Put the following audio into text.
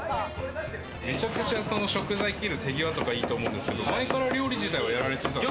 めちゃくちゃ食材切る手際とかいいと思うんですけれども、料理は昔からやられてたんですか？